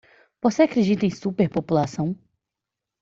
Você acredita em superpopulação?